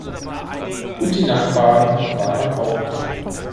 Und die Nachbarn waren auch okay.